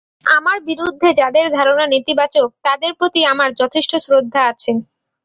আমার বিরুদ্ধে যাদের ধারণা নেতিবাচক, তাদের প্রতি আমার আমার যথেষ্ট শ্রদ্ধা আছে।